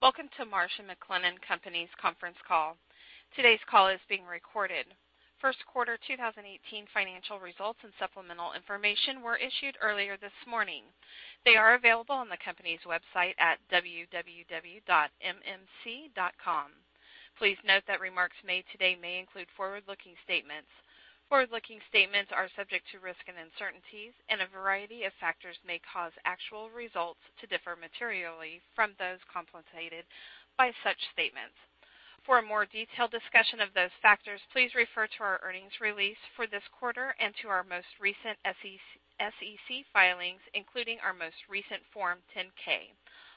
Welcome to Marsh & McLennan Companies conference call. Today's call is being recorded. First quarter 2018 financial results and supplemental information were issued earlier this morning. They are available on the company's website at www.mmc.com. Please note that remarks made today may include forward-looking statements. Forward-looking statements are subject to risk and uncertainties, a variety of factors may cause actual results to differ materially from those contemplated by such statements. For a more detailed discussion of those factors, please refer to our earnings release for this quarter and to our most recent SEC filings, including our most recent Form 10-K,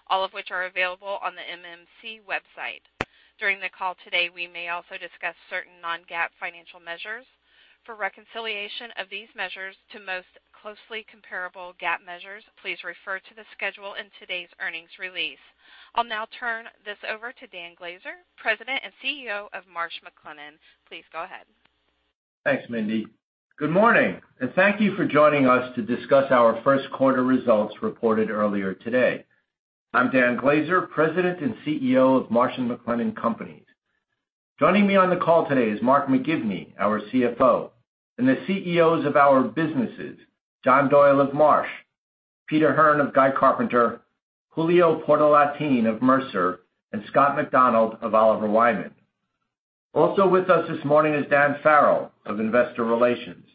all of which are available on the MMC website. During the call today, we may also discuss certain non-GAAP financial measures. For reconciliation of these measures to most closely comparable GAAP measures, please refer to the schedule in today's earnings release. I'll now turn this over to Dan Glaser, President and CEO of Marsh & McLennan. Please go ahead. Thanks, [Mindy]. Good morning. Thank you for joining us to discuss our first quarter results reported earlier today. I'm Dan Glaser, President and CEO of Marsh & McLennan Companies. Joining me on the call today is Mark McGivney, our CFO, the CEOs of our businesses, John Doyle of Marsh, Peter Hearn of Guy Carpenter, Julio Portalatin of Mercer, and Scott McDonald of Oliver Wyman. Also with us this morning is Dan Farrell of Investor Relations.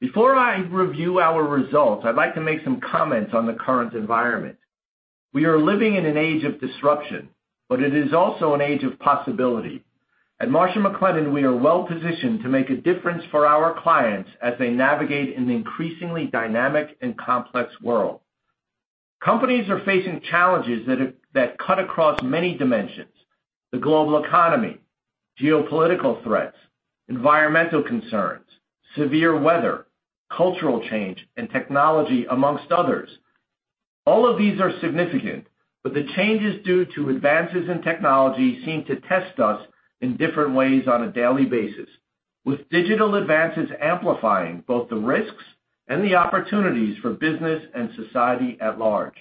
Before I review our results, I'd like to make some comments on the current environment. We are living in an age of disruption. It is also an age of possibility. At Marsh & McLennan, we are well-positioned to make a difference for our clients as they navigate an increasingly dynamic and complex world. Companies are facing challenges that cut across many dimensions: the global economy, geopolitical threats, environmental concerns, severe weather, cultural change, and technology, amongst others. All of these are significant. The changes due to advances in technology seem to test us in different ways on a daily basis, with digital advances amplifying both the risks and the opportunities for business and society at large.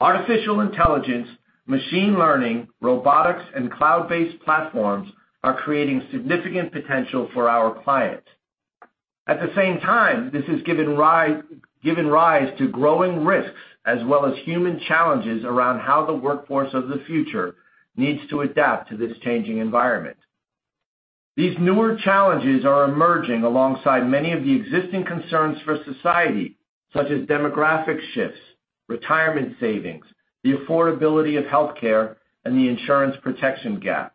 Artificial intelligence, machine learning, robotics, and cloud-based platforms are creating significant potential for our clients. At the same time, this has given rise to growing risks as well as human challenges around how the workforce of the future needs to adapt to this changing environment. These newer challenges are emerging alongside many of the existing concerns for society, such as demographic shifts, retirement savings, the affordability of healthcare, and the insurance protection gap.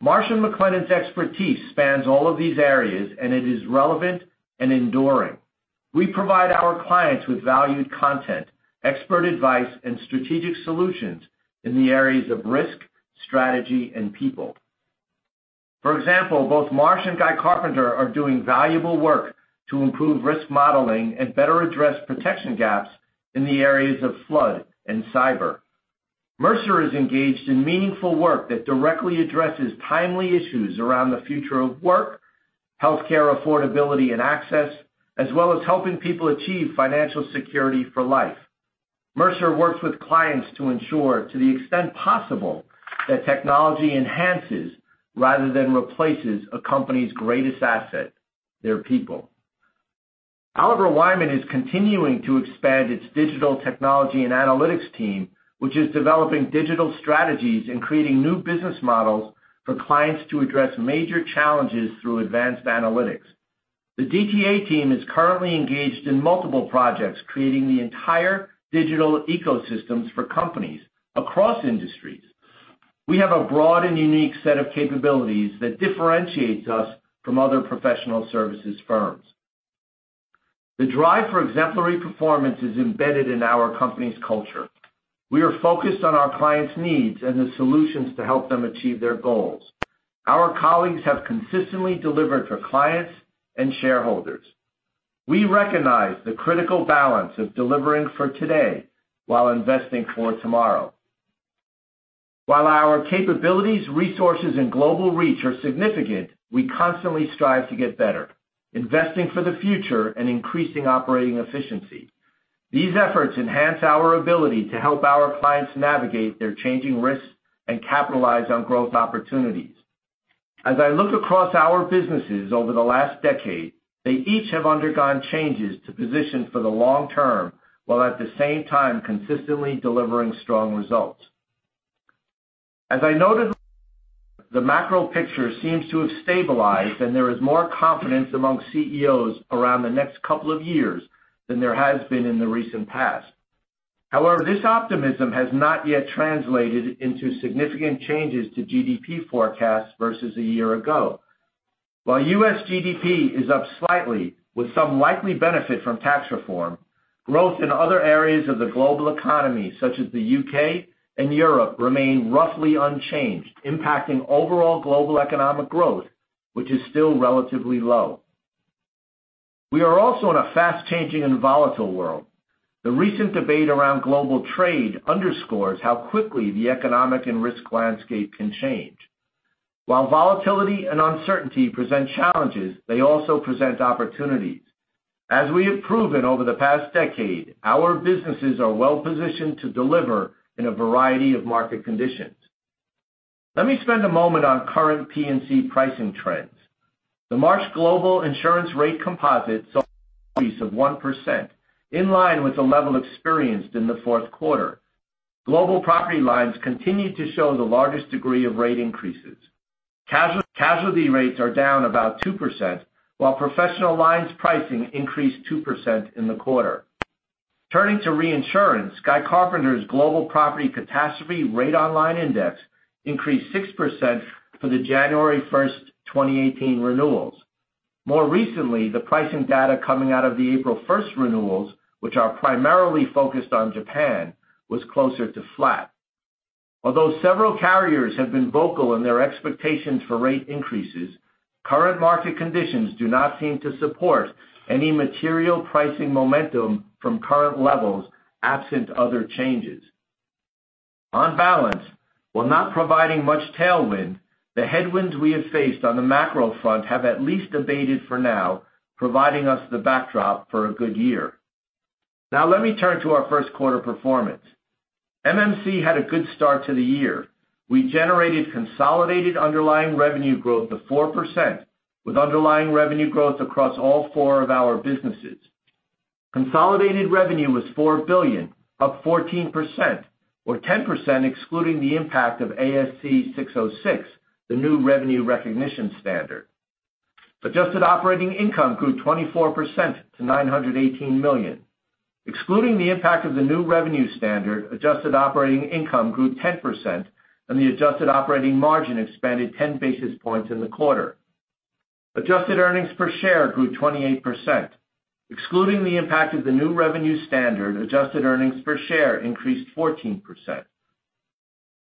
Marsh & McLennan's expertise spans all of these areas, and it is relevant and enduring. We provide our clients with valued content, expert advice, and strategic solutions in the areas of risk, strategy, and people. For example, both Marsh and Guy Carpenter are doing valuable work to improve risk modeling and better address protection gaps in the areas of flood and cyber. Mercer is engaged in meaningful work that directly addresses timely issues around the future of work, healthcare affordability and access, as well as helping people achieve financial security for life. Mercer works with clients to ensure, to the extent possible, that technology enhances rather than replaces a company's greatest asset, their people. Oliver Wyman is continuing to expand its digital technology and analytics team, which is developing digital strategies and creating new business models for clients to address major challenges through advanced analytics. The DTA team is currently engaged in multiple projects, creating the entire digital ecosystems for companies across industries. We have a broad and unique set of capabilities that differentiates us from other professional services firms. The drive for exemplary performance is embedded in our company's culture. We are focused on our clients' needs and the solutions to help them achieve their goals. Our colleagues have consistently delivered for clients and shareholders. We recognize the critical balance of delivering for today while investing for tomorrow. While our capabilities, resources, and global reach are significant, we constantly strive to get better, investing for the future and increasing operating efficiency. These efforts enhance our ability to help our clients navigate their changing risks and capitalize on growth opportunities. As I look across our businesses over the last decade, they each have undergone changes to position for the long term, while at the same time consistently delivering strong results. As I noted, the macro picture seems to have stabilized, and there is more confidence among CEOs around the next couple of years than there has been in the recent past. However, this optimism has not yet translated into significant changes to GDP forecasts versus a year ago. While U.S. GDP is up slightly with some likely benefit from tax reform, growth in other areas of the global economy, such as the U.K. and Europe, remain roughly unchanged, impacting overall global economic growth, which is still relatively low. We are also in a fast-changing and volatile world. The recent debate around global trade underscores how quickly the economic and risk landscape can change. While volatility and uncertainty present challenges, they also present opportunities. As we have proven over the past decade, our businesses are well-positioned to deliver in a variety of market conditions. Let me spend a moment on current P&C pricing trends. The Marsh global insurance rate composite saw an increase of 1%, in line with the level experienced in the fourth quarter. Global property lines continued to show the largest degree of rate increases. Casualty rates are down about 2%, while professional lines pricing increased 2% in the quarter. Turning to reinsurance, Guy Carpenter's global property catastrophe rate online index increased 6% for the January 1st, 2018 renewals. More recently, the pricing data coming out of the April 1st renewals, which are primarily focused on Japan, was closer to flat. Although several carriers have been vocal in their expectations for rate increases, current market conditions do not seem to support any material pricing momentum from current levels, absent other changes. On balance, while not providing much tailwind, the headwinds we have faced on the macro front have at least abated for now, providing us the backdrop for a good year. Now let me turn to our first quarter performance. MMC had a good start to the year. We generated consolidated underlying revenue growth of 4%, with underlying revenue growth across all four of our businesses. Consolidated revenue was $4 billion, up 14%, or 10% excluding the impact of ASC 606, the new revenue recognition standard. Adjusted operating income grew 24% to $918 million. Excluding the impact of the new revenue standard, adjusted operating income grew 10%, and the adjusted operating margin expanded 10 basis points in the quarter. Adjusted earnings per share grew 28%. Excluding the impact of the new revenue standard, adjusted earnings per share increased 14%.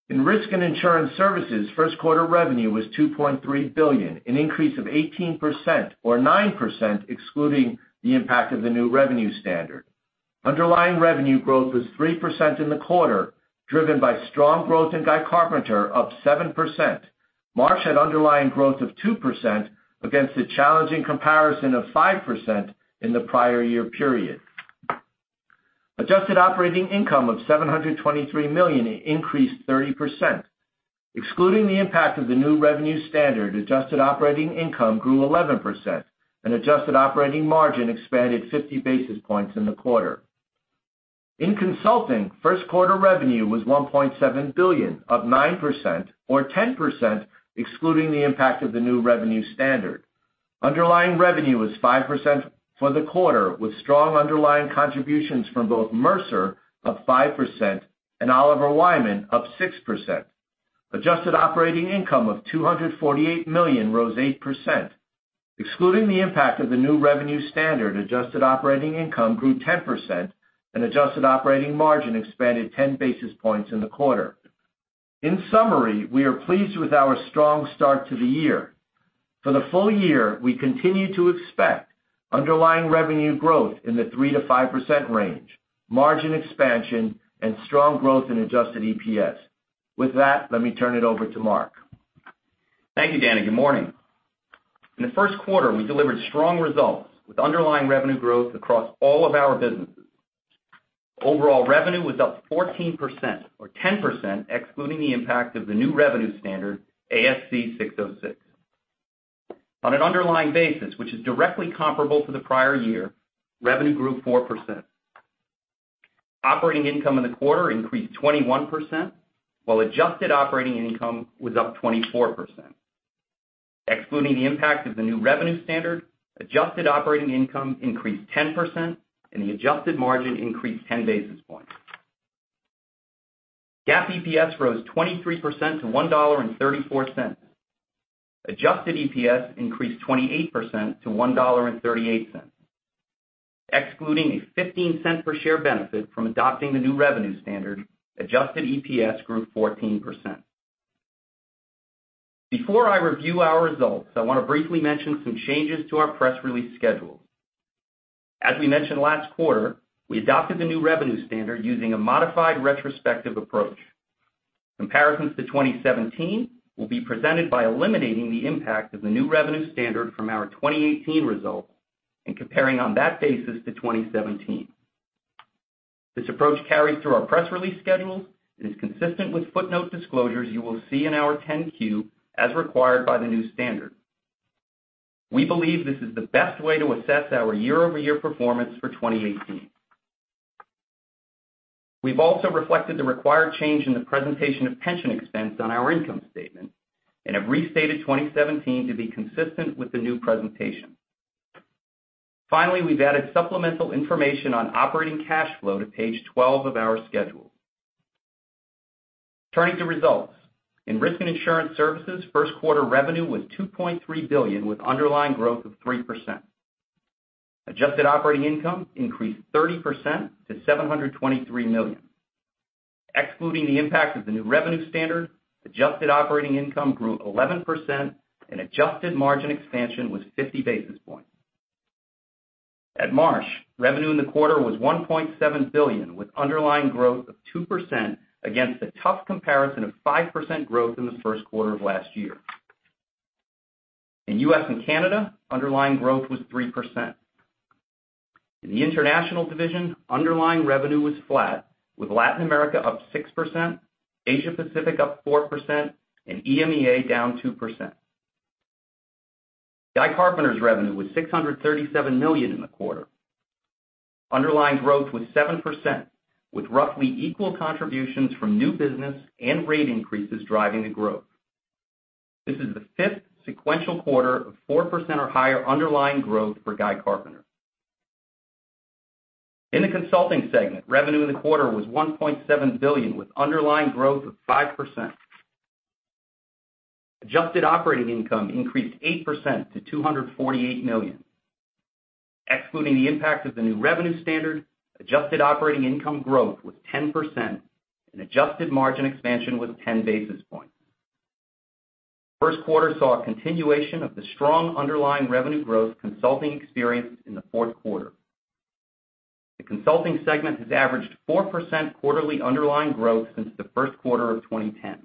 In risk and insurance services, first quarter revenue was $2.3 billion, an increase of 18%, or 9% excluding the impact of the new revenue standard. Underlying revenue growth was 3% in the quarter, driven by strong growth in Guy Carpenter of 7%. Marsh had underlying growth of 2% against a challenging comparison of 5% in the prior year period. Adjusted operating income of $723 million increased 30%. Excluding the impact of the new revenue standard, adjusted operating income grew 11%, and adjusted operating margin expanded 50 basis points in the quarter. In consulting, first quarter revenue was $1.7 billion, up 9%, or 10%, excluding the impact of the new revenue standard. Underlying revenue was 5% for the quarter, with strong underlying contributions from both Mercer, up 5%, and Oliver Wyman, up 6%. Adjusted operating income of $248 million rose 8%. Excluding the impact of the new revenue standard, adjusted operating income grew 10%, and adjusted operating margin expanded 10 basis points in the quarter. In summary, we are pleased with our strong start to the year. For the full year, we continue to expect underlying revenue growth in the 3%-5% range, margin expansion, and strong growth in adjusted EPS. With that, let me turn it over to Mark. Thank you, Danny. Good morning. In the first quarter, we delivered strong results with underlying revenue growth across all of our businesses. Overall revenue was up 14%, or 10%, excluding the impact of the new revenue standard, ASC 606. On an underlying basis, which is directly comparable to the prior year, revenue grew 4%. Operating income in the quarter increased 21%, while adjusted operating income was up 24%. Excluding the impact of the new revenue standard, adjusted operating income increased 10%, and the adjusted margin increased 10 basis points. GAAP EPS rose 23% to $1.34. Adjusted EPS increased 28% to $1.38. Excluding a $0.15 per share benefit from adopting the new revenue standard, adjusted EPS grew 14%. Before I review our results, I want to briefly mention some changes to our press release schedule. As we mentioned last quarter, we adopted the new revenue standard using a modified retrospective approach. Comparisons to 2017 will be presented by eliminating the impact of the new revenue standard from our 2018 results and comparing on that basis to 2017. This approach carries through our press release schedule and is consistent with footnote disclosures you will see in our 10-Q as required by the new standard. We believe this is the best way to assess our year-over-year performance for 2018. We've also reflected the required change in the presentation of pension expense on our income statement and have restated 2017 to be consistent with the new presentation. Finally, we've added supplemental information on operating cash flow to page 12 of our schedule. Turning to results. In risk and insurance services, first-quarter revenue was $2.3 billion, with underlying growth of 3%. Adjusted operating income increased 30% to $723 million. Excluding the impact of the new revenue standard, adjusted operating income grew 11%, and adjusted margin expansion was 50 basis points. At Marsh, revenue in the quarter was $1.7 billion, with underlying growth of 2% against a tough comparison of 5% growth in the first quarter of last year. In U.S. and Canada, underlying growth was 3%. In the international division, underlying revenue was flat, with Latin America up 6%, Asia Pacific up 4%, and EMEA down 2%. Guy Carpenter's revenue was $637 million in the quarter. Underlying growth was 7%, with roughly equal contributions from new business and rate increases driving the growth. This is the fifth sequential quarter of 4% or higher underlying growth for Guy Carpenter. In the consulting segment, revenue in the quarter was $1.7 billion, with underlying growth of 5%. Adjusted operating income increased 8% to $248 million. Excluding the impact of the new revenue standard, adjusted operating income growth was 10%, and adjusted margin expansion was 10 basis points. First quarter saw a continuation of the strong underlying revenue growth consulting experienced in the fourth quarter. The consulting segment has averaged 4% quarterly underlying growth since the first quarter of 2010.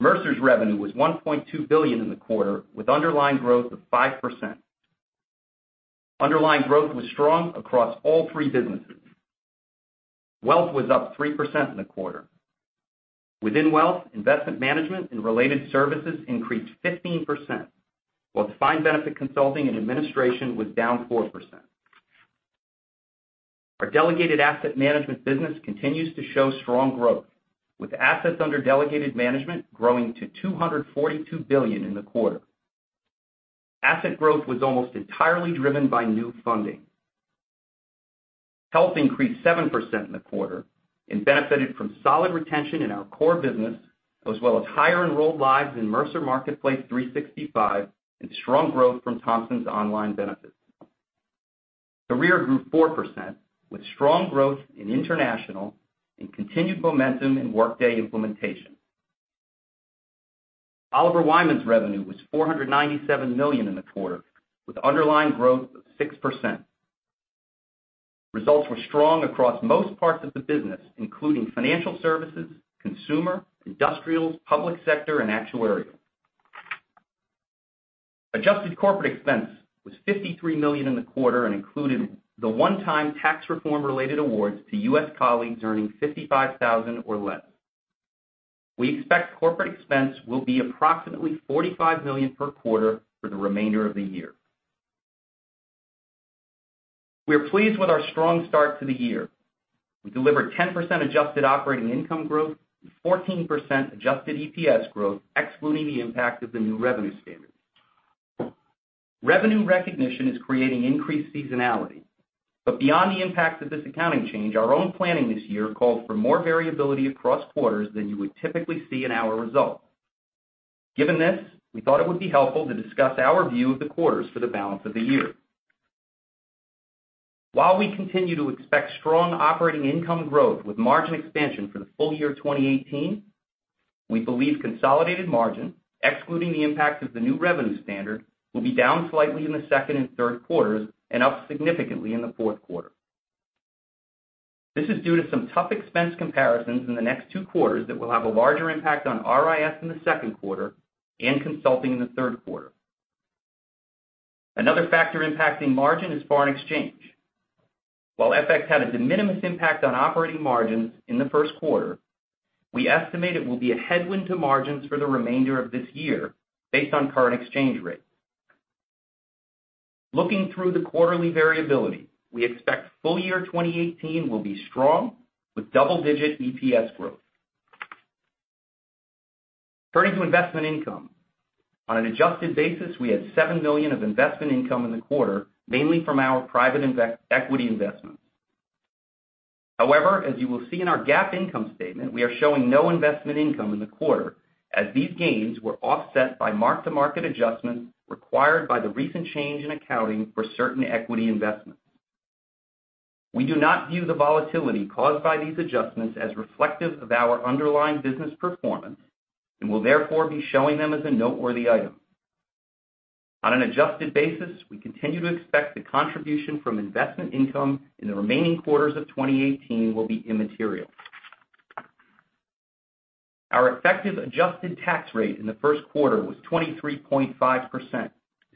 Mercer's revenue was $1.2 billion in the quarter, with underlying growth of 5%. Underlying growth was strong across all three businesses. Wealth was up 3% in the quarter. Within wealth, investment management and related services increased 15%, while defined benefit consulting and administration was down 4%. Our delegated asset management business continues to show strong growth, with assets under delegated management growing to $242 billion in the quarter. Asset growth was almost entirely driven by new funding. Health increased 7% in the quarter and benefited from solid retention in our core business, as well as higher enrolled lives in Mercer Marketplace 365 and strong growth from Thomsons Online Benefits. Career grew 4%, with strong growth in international and continued momentum in Workday implementation. Oliver Wyman's revenue was $497 million in the quarter, with underlying growth of 6%. Results were strong across most parts of the business, including financial services, consumer, industrials, public sector, and actuarial. Adjusted corporate expense was $53 million in the quarter and included the one-time tax reform-related awards to U.S. colleagues earning 55,000 or less. We expect corporate expense will be approximately $45 million per quarter for the remainder of the year. We are pleased with our strong start to the year. We delivered 10% adjusted operating income growth and 14% adjusted EPS growth, excluding the impact of the new revenue standard. Revenue recognition is creating increased seasonality. Beyond the impact of this accounting change, our own planning this year calls for more variability across quarters than you would typically see in our results. Given this, we thought it would be helpful to discuss our view of the quarters for the balance of the year. While we continue to expect strong operating income growth with margin expansion for the full year 2018, we believe consolidated margin, excluding the impact of the new revenue standard, will be down slightly in the second and third quarters and up significantly in the fourth quarter. This is due to some tough expense comparisons in the next two quarters that will have a larger impact on RIS in the second quarter and consulting in the third quarter. Another factor impacting margin is foreign exchange. While FX had a de minimis impact on operating margins in the first quarter, we estimate it will be a headwind to margins for the remainder of this year based on current exchange rates. Looking through the quarterly variability, we expect full year 2018 will be strong with double-digit EPS growth. Turning to investment income. On an adjusted basis, we had $7 million of investment income in the quarter, mainly from our private equity investments. However, as you will see in our GAAP income statement, we are showing no investment income in the quarter, as these gains were offset by mark-to-market adjustments required by the recent change in accounting for certain equity investments. We do not view the volatility caused by these adjustments as reflective of our underlying business performance and will therefore be showing them as a noteworthy item. On an adjusted basis, we continue to expect the contribution from investment income in the remaining quarters of 2018 will be immaterial. Our effective adjusted tax rate in the first quarter was 23.5%,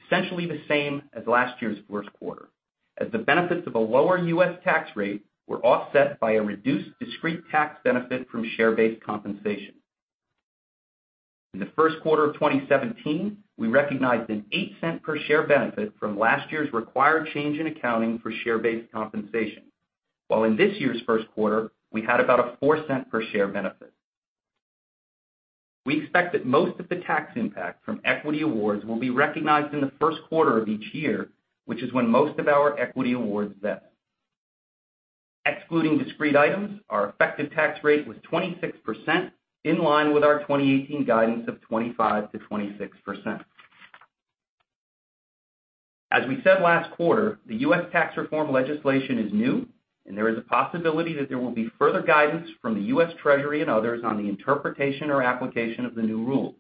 essentially the same as last year's first quarter, as the benefits of a lower U.S. tax rate were offset by a reduced discrete tax benefit from share-based compensation. In the first quarter of 2017, we recognized an $0.08 per share benefit from last year's required change in accounting for share-based compensation, while in this year's first quarter, we had about a $0.04 per share benefit. We expect that most of the tax impact from equity awards will be recognized in the first quarter of each year, which is when most of our equity awards vest. Excluding discrete items, our effective tax rate was 26%, in line with our 2018 guidance of 25%-26%. As we said last quarter, the U.S. tax reform legislation is new. There is a possibility that there will be further guidance from the U.S. Treasury and others on the interpretation or application of the new rule.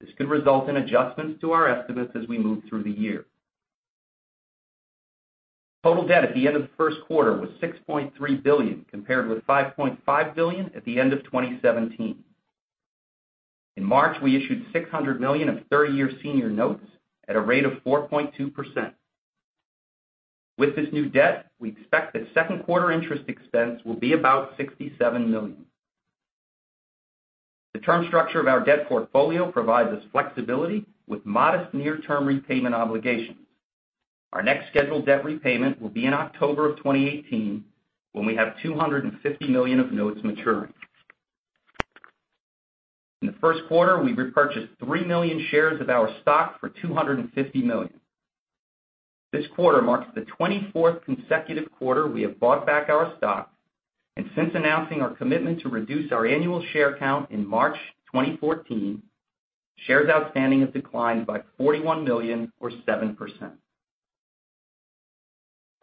This could result in adjustments to our estimates as we move through the year. Total debt at the end of the first quarter was $6.3 billion, compared with $5.5 billion at the end of 2017. In March, we issued $600 million of 30-year senior notes at a rate of 4.2%. With this new debt, we expect that second quarter interest expense will be about $67 million. The term structure of our debt portfolio provides us flexibility with modest near-term repayment obligations. Our next scheduled debt repayment will be in October of 2018, when we have $250 million of notes maturing. In the first quarter, we repurchased three million shares of our stock for $250 million. This quarter marks the 24th consecutive quarter we have bought back our stock. Since announcing our commitment to reduce our annual share count in March 2014, shares outstanding have declined by 41 million or 7%.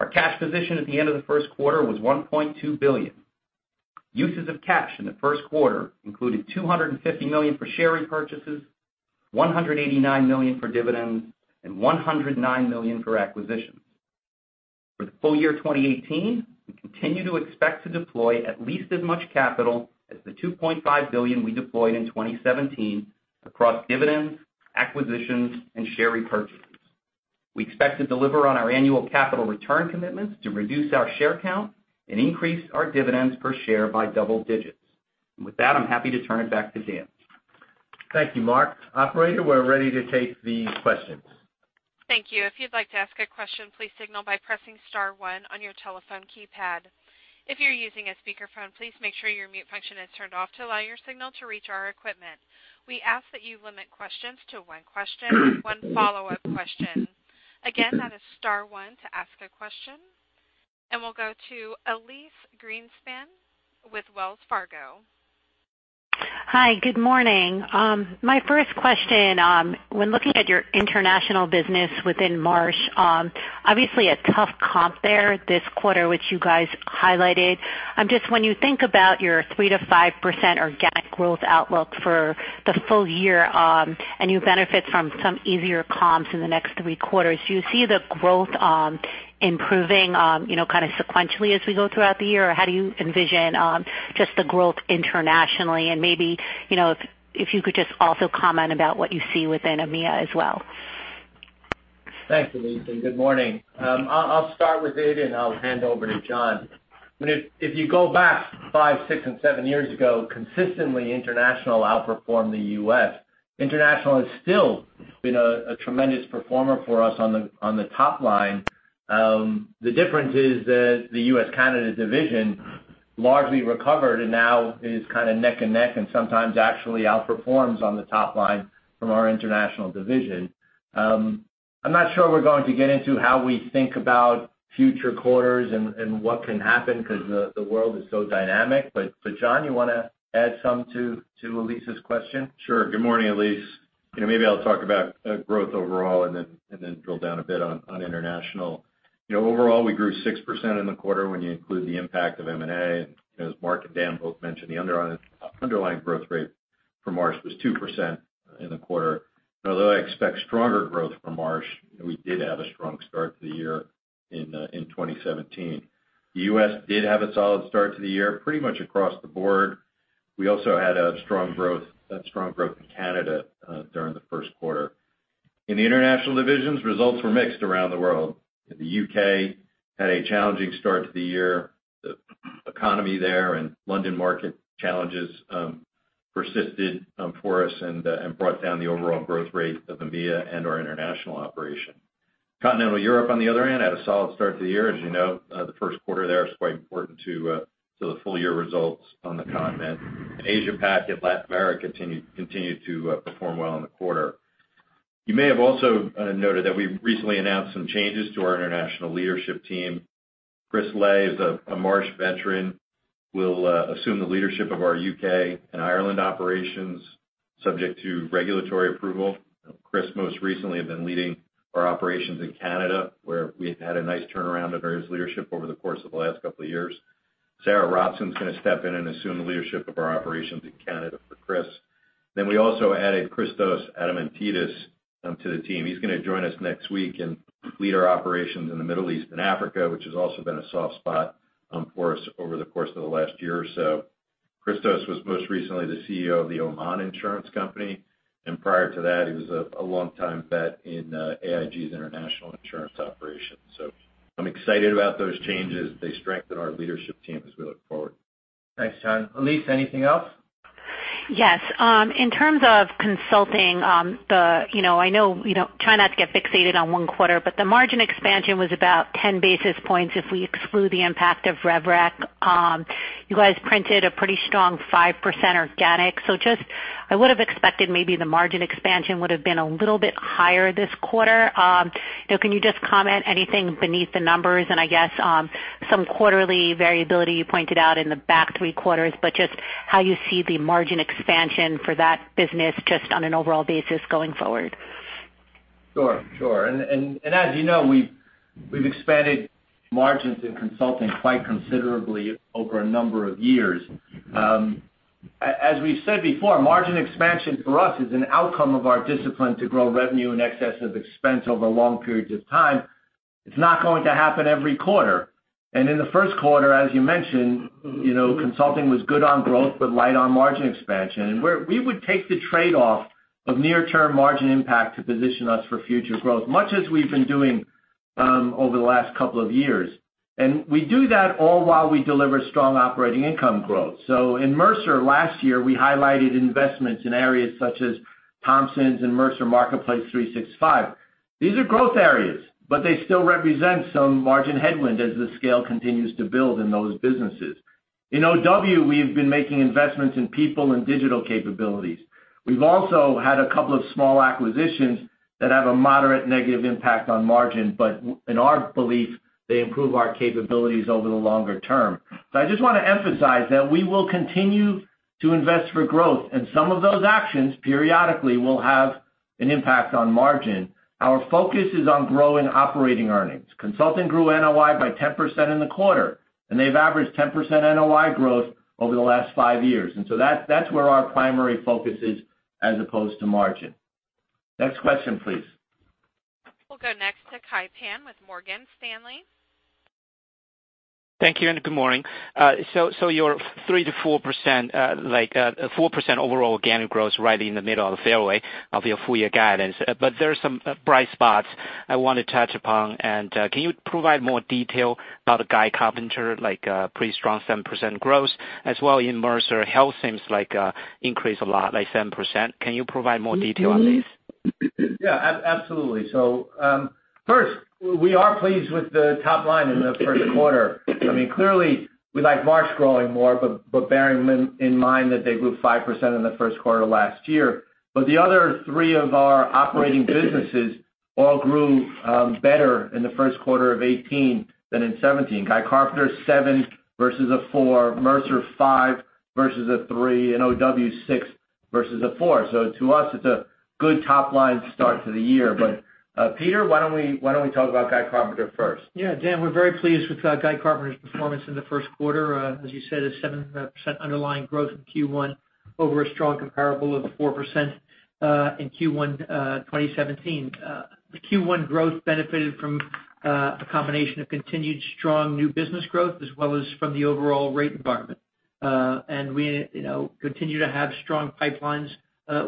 Our cash position at the end of the first quarter was $1.2 billion. Uses of cash in the first quarter included $250 million for share repurchases, $189 million for dividends, and $109 million for acquisitions. For the full year 2018, we continue to expect to deploy at least as much capital as the $2.5 billion we deployed in 2017 across dividends, acquisitions, and share repurchases. We expect to deliver on our annual capital return commitments to reduce our share count and increase our dividends per share by double digits. With that, I'm happy to turn it back to Dan. Thank you, Mark. Operator, we're ready to take the questions. Thank you. If you'd like to ask a question, please signal by pressing *1 on your telephone keypad. If you're using a speakerphone, please make sure your mute function is turned off to allow your signal to reach our equipment. We ask that you limit questions to one question and one follow-up question. Again, that is *1 to ask a question. We'll go to Elyse Greenspan with Wells Fargo. Hi. Good morning. My first question. When looking at your international business within Marsh, obviously a tough comp there this quarter, which you guys highlighted. When you think about your 3%-5% organic growth outlook for the full year, and you benefit from some easier comps in the next three quarters, do you see the growth improving sequentially as we go throughout the year? How do you envision just the growth internationally? Maybe, if you could just also comment about what you see within EMEA as well. Thanks, Elyse, good morning. I'll start with data, I'll hand over to John. If you go back five, six and seven years ago, consistently international outperformed the U.S. International has still been a tremendous performer for us on the top line. The difference is that the U.S. Canada division largely recovered and now is kind of neck and neck and sometimes actually outperforms on the top line from our international division. I'm not sure we're going to get into how we think about future quarters and what can happen because the world is so dynamic. John, you want to add some to Elyse's question? Sure. Good morning, Elyse. Maybe I'll talk about growth overall and then drill down a bit on international. Overall, we grew 6% in the quarter when you include the impact of M&A. As Mark and Dan both mentioned, the underlying growth rate for Marsh was 2% in the quarter. Although I expect stronger growth from Marsh, we did have a strong start to the year in 2017. The U.S. did have a solid start to the year, pretty much across the board. We also had a strong growth in Canada during the first quarter. In the international divisions, results were mixed around the world. The U.K. had a challenging start to the year. The economy there and London market challenges persisted for us and brought down the overall growth rate of EMEA and our international operation. Continental Europe, on the other hand, had a solid start to the year. As you know, the first quarter there is quite important to the full-year results on the continent. Asia Pac and Latin America continued to perform well in the quarter. You may have also noted that we recently announced some changes to our international leadership team. Chris Lay is a Marsh veteran, will assume the leadership of our U.K. and Ireland operations, subject to regulatory approval. Chris most recently had been leading our operations in Canada, where we've had a nice turnaround under his leadership over the course of the last couple of years. Sarah Robson is going to step in and assume the leadership of our operations in Canada for Chris. We also added Christos Adamantiadis to the team. He's going to join us next week and lead our operations in the Middle East and Africa, which has also been a soft spot for us over the course of the last year or so. Christos was most recently the CEO of the Oman Insurance Company, and prior to that, he was a long-time vet in AIG's international insurance operations. I'm excited about those changes. They strengthen our leadership team as we look forward. Thanks, John. Elyse, anything else? Yes. In terms of consulting, I know you try not to get fixated on one quarter, but the margin expansion was about 10 basis points if we exclude the impact of RevRec. You guys printed a pretty strong 5% organic. I would have expected maybe the margin expansion would have been a little bit higher this quarter. Can you comment anything beneath the numbers and I guess, some quarterly variability you pointed out in the back three quarters, but how you see the margin expansion for that business on an overall basis going forward? Sure. As you know, we've expanded margins in consulting quite considerably over a number of years. As we've said before, margin expansion for us is an outcome of our discipline to grow revenue in excess of expense over long periods of time. It's not going to happen every quarter. In the first quarter, as you mentioned, consulting was good on growth but light on margin expansion. We would take the trade-off of near-term margin impact to position us for future growth, much as we've been doing over the last couple of years. We do that all while we deliver strong operating income growth. In Mercer last year, we highlighted investments in areas such as Thomsons and Mercer Marketplace 365. These are growth areas, but they still represent some margin headwind as the scale continues to build in those businesses. In Oliver Wyman, we've been making investments in people and digital capabilities. We've also had a couple of small acquisitions that have a moderate negative impact on margin, but in our belief, they improve our capabilities over the longer term. I just want to emphasize that we will continue to invest for growth, and some of those actions periodically will have an impact on margin. Our focus is on growing operating earnings. Consulting grew NOI by 10% in the quarter, and they've averaged 10% NOI growth over the last five years. That's where our primary focus is as opposed to margin. Next question, please. We'll go next to Kai Pan with Morgan Stanley. Thank you, and good morning. Your 3%-4%, like a 4% overall organic growth right in the middle of the fairway of your full year guidance. There are some bright spots I want to touch upon and can you provide more detail about Guy Carpenter, like pretty strong 7% growth as well in Mercer. Health seems like increase a lot like 7%. Can you provide more detail on these? Yeah, absolutely. First, we are pleased with the top line in the first quarter. I mean, clearly we like Marsh growing more, but bearing in mind that they grew 5% in the first quarter last year. The other three of our operating businesses all grew better in the first quarter of 2018 than in 2017. Guy Carpenter, seven versus a four, Mercer five versus a three, and Oliver Wyman six versus a four. To us, it's a good top-line start to the year. Peter, why don't we talk about Guy Carpenter first? Dan, we're very pleased with Guy Carpenter's performance in the first quarter. As you said, a 7% underlying growth in Q1 over a strong comparable of 4% in Q1 2017. The Q1 growth benefited from a combination of continued strong new business growth as well as from the overall rate environment. We continue to have strong pipelines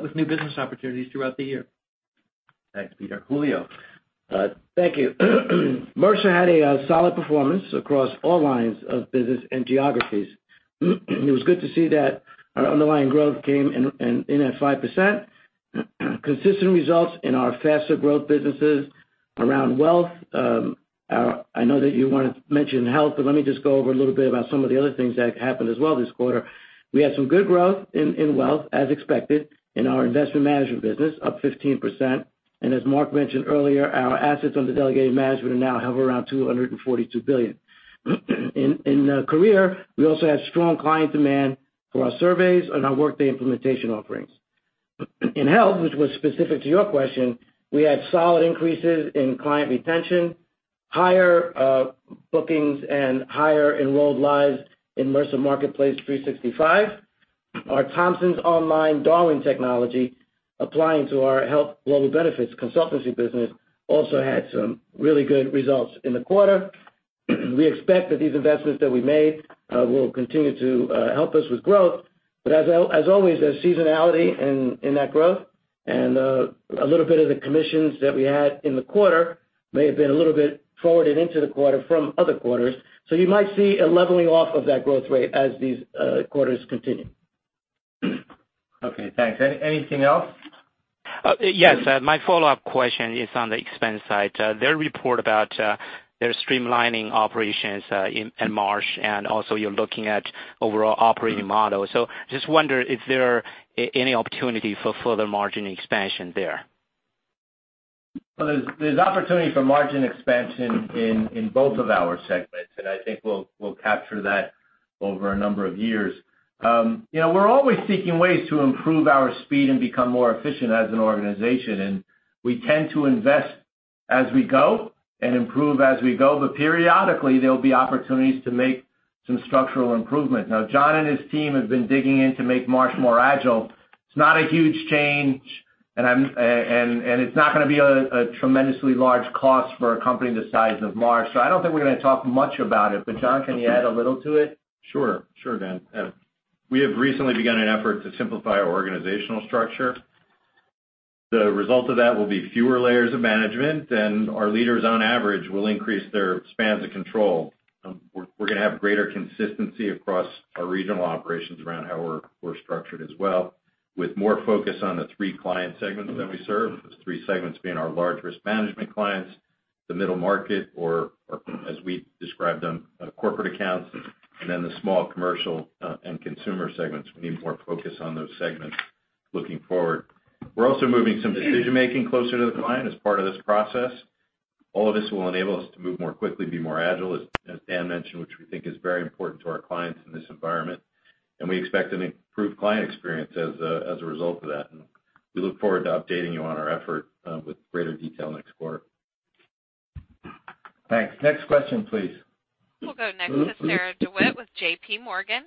with new business opportunities throughout the year. Thanks, Peter. Julio. Thank you. Mercer had a solid performance across all lines of business and geographies. It was good to see that our underlying growth came in at 5%. Consistent results in our faster growth businesses around wealth. I know that you want to mention health, but let me just go over a little bit about some of the other things that happened as well this quarter. We had some good growth in wealth, as expected in our investment management business, up 15%. As Mark mentioned earlier, our assets under delegated management are now hover around $242 billion. In career, we also had strong client demand for our surveys and our Workday implementation offerings. In health, which was specific to your question, we had solid increases in client retention, higher bookings, and higher enrolled lives in Mercer Marketplace 365. Our Thomsons Online Darwin technology applying to our health global benefits consultancy business also had some really good results in the quarter. We expect that these investments that we made will continue to help us with growth, but as always, there's seasonality in that growth and a little bit of the commissions that we had in the quarter may have been a little bit forwarded into the quarter from other quarters. You might see a leveling off of that growth rate as these quarters continue. Okay, thanks. Anything else? Yes, my follow-up question is on the expense side. Their report about their streamlining operations in Marsh, also you're looking at overall operating model. Just wonder if there any opportunity for further margin expansion there. Well, there's opportunity for margin expansion in both of our segments, I think we'll capture that over a number of years. We're always seeking ways to improve our speed and become more efficient as an organization, we tend to invest as we go and improve as we go. Periodically, there'll be opportunities to make some structural improvements. John and his team have been digging in to make Marsh more agile. It's not a huge change, it's not going to be a tremendously large cost for a company the size of Marsh, I don't think we're going to talk much about it. John, can you add a little to it? Sure, Dan. We have recently begun an effort to simplify our organizational structure. The result of that will be fewer layers of management, our leaders on average, will increase their spans of control. We're going to have greater consistency across our regional operations around how we're structured as well, with more focus on the three client segments that we serve. Those three segments being our large risk management clients, the middle market, or as we describe them, corporate accounts, then the small commercial, and consumer segments. We need more focus on those segments looking forward. We're also moving some decision-making closer to the client as part of this process. All of this will enable us to move more quickly, be more agile, as Dan mentioned, which we think is very important to our clients in this environment. We expect an improved client experience as a result of that. We look forward to updating you on our effort with greater detail next quarter. Thanks. Next question, please. We'll go next to Sarah DeWitt with J.P. Morgan.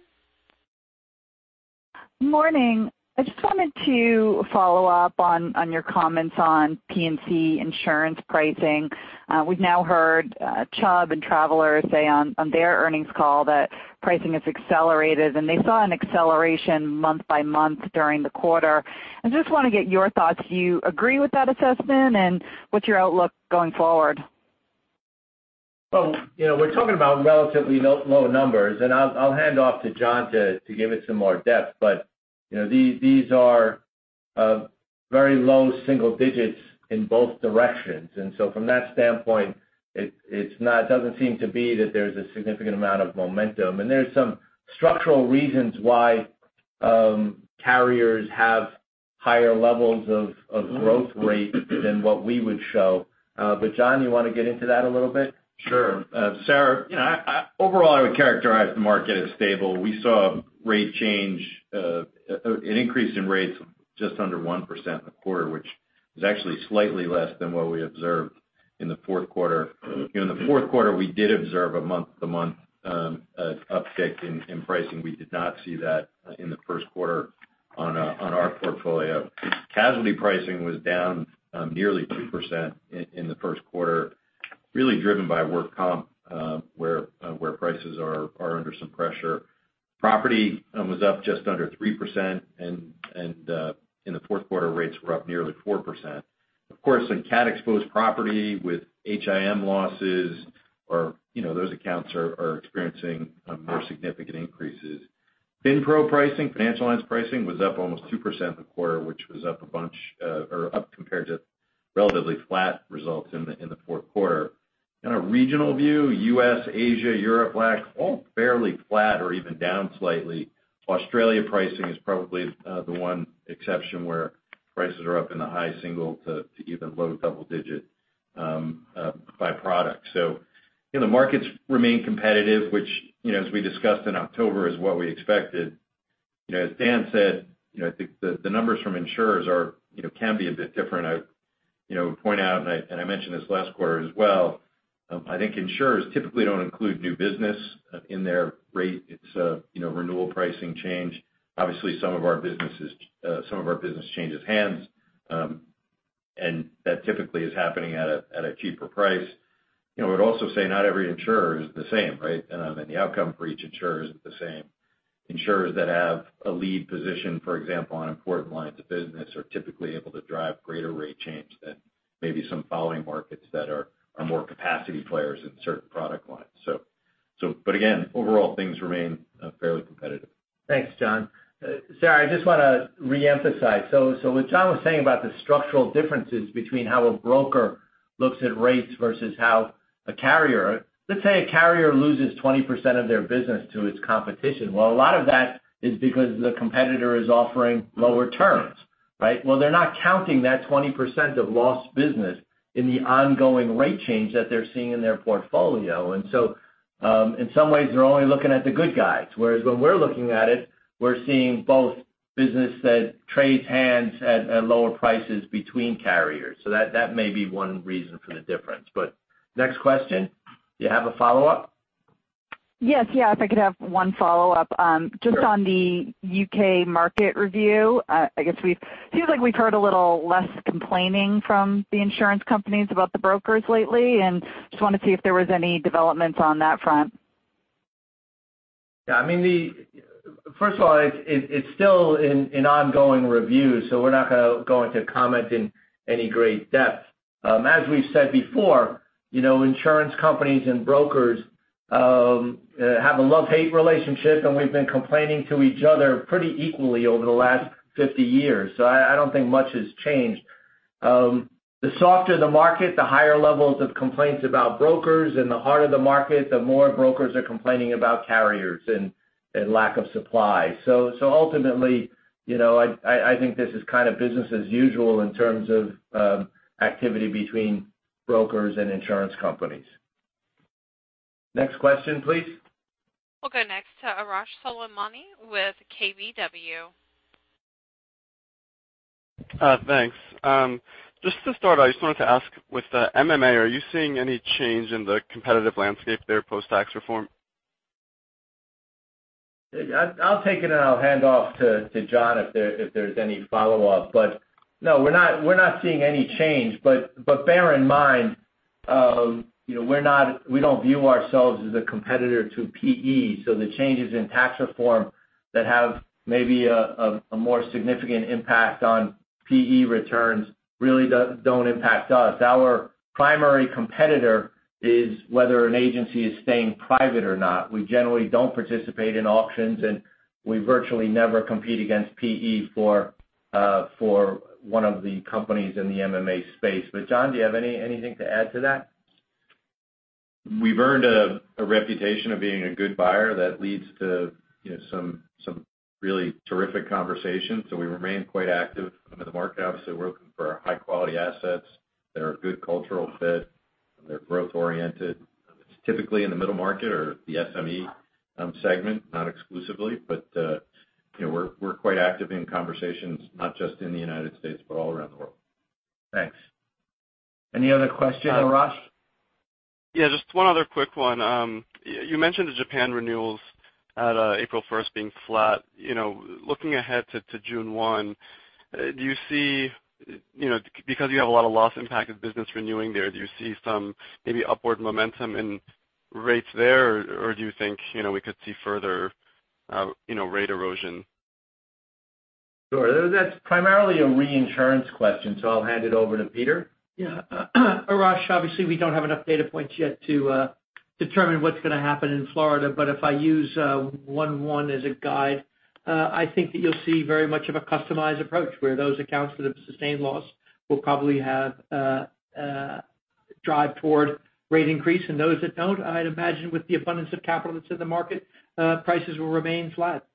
Morning. I just wanted to follow up on your comments on P&C insurance pricing. We've now heard Chubb and Travelers say on their earnings call that pricing has accelerated, and they saw an acceleration month by month during the quarter. I just want to get your thoughts. Do you agree with that assessment, and what's your outlook going forward? Well, we're talking about relatively low numbers. I'll hand off to John to give it some more depth, these are very low single digits in both directions. From that standpoint, it doesn't seem to be that there's a significant amount of momentum. There's some structural reasons why carriers have higher levels of growth rate than what we would show. John, you want to get into that a little bit? Sure. Sarah, overall I would characterize the market as stable. We saw an increase in rates just under 1% in the quarter, which is actually slightly less than what we observed in the fourth quarter. In the fourth quarter, we did observe a month-to-month uptick in pricing. We did not see that in the first quarter on our portfolio. Casualty pricing was down nearly 2% in the first quarter, really driven by work comp, where prices are under some pressure. Property was up just under 3%, in the fourth quarter, rates were up nearly 4%. Of course, in cat-exposed property with HIM losses, those accounts are experiencing more significant increases. FINPRO pricing, financial lines pricing, was up almost 2% in the quarter, which was up compared to relatively flat results in the fourth quarter. In a regional view, U.S., Asia, Europe, LAC, all fairly flat or even down slightly. Australia pricing is probably the one exception where prices are up in the high single to even low double digit by product. The markets remain competitive, which as we discussed in October is what we expected. As Dan said, I think the numbers from insurers can be a bit different. I would point out, I mentioned this last quarter as well, I think insurers typically don't include new business in their rate. It's a renewal pricing change. Obviously, some of our business changes hands, that typically is happening at a cheaper price. I would also say not every insurer is the same, right? The outcome for each insurer isn't the same. Insurers that have a lead position, for example, on important lines of business are typically able to drive greater rate change than maybe some following markets that are more capacity players in certain product lines. Again, overall things remain fairly competitive. Thanks, John. Sarah, I just want to reemphasize. What John was saying about the structural differences between how a broker looks at rates versus how a carrier. Let's say a carrier loses 20% of their business to its competition. A lot of that is because the competitor is offering lower terms, right? They're not counting that 20% of lost business in the ongoing rate change that they're seeing in their portfolio. In some ways, they're only looking at the good guys, whereas when we're looking at it, we're seeing both business that trades hands at lower prices between carriers. That may be one reason for the difference. Next question. Do you have a follow-up? Yes. If I could have one follow-up. Sure. Just on the U.K. market review, I guess it seems like we've heard a little less complaining from the insurance companies about the brokers lately, and I just want to see if there was any developments on that front. First of all, it's still an ongoing review, so we're not going to comment in any great depth. As we've said before, insurance companies and brokers have a love-hate relationship, and we've been complaining to each other pretty equally over the last 50 years, so I don't think much has changed. The softer the market, the higher levels of complaints about brokers, and the harder the market, the more brokers are complaining about carriers and lack of supply. Ultimately, I think this is kind of business as usual in terms of activity between brokers and insurance companies. Next question, please. We'll go next to Arash Soleimani with KBW. Thanks. Just to start, I just wanted to ask with MMA, are you seeing any change in the competitive landscape there post-tax reform? I'll take it and I'll hand off to John if there's any follow-up. No, we're not seeing any change. Bear in mind, we don't view ourselves as a competitor to PE, so the changes in tax reform that have maybe a more significant impact on PE returns really don't impact us. Our primary competitor is whether an agency is staying private or not. We generally don't participate in auctions, and we virtually never compete against PE for one of the companies in the MMA space. John, do you have anything to add to that? We've earned a reputation of being a good buyer that leads to some really terrific conversations. We remain quite active in the market. Obviously, we're looking for high-quality assets that are a good cultural fit, that are growth-oriented. It's typically in the middle market or the SME segment, not exclusively, but we're quite active in conversations, not just in the United States, but all around the world. Thanks. Any other questions? Arash? Yeah, just one other quick one. You mentioned the Japan renewals at April 1st being flat. Looking ahead to June 1, because you have a lot of loss-impacted business renewing there, do you see some maybe upward momentum in rates there, or do you think we could see further rate erosion? Sure. That's primarily a reinsurance question, I'll hand it over to Peter. Yeah. Arash, obviously, we don't have enough data points yet to determine what's going to happen in Florida. If I use 1/1 as a guide, I think that you'll see very much of a customized approach where those accounts that have sustained loss will probably have a drive toward rate increase, and those that don't, I'd imagine with the abundance of capital that's in the market, prices will remain flat.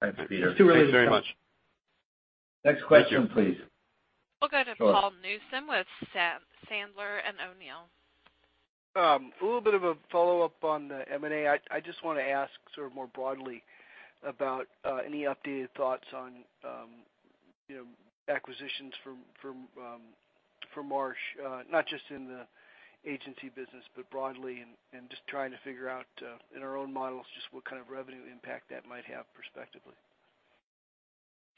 Thanks, Peter. Next question, please. We'll go to Paul Newsome with Sandler O'Neill. A little bit of a follow-up on the M&A. I just want to ask sort of more broadly about any updated thoughts on acquisitions for Marsh, not just in the agency business, but broadly, and just trying to figure out in our own models just what kind of revenue impact that might have prospectively.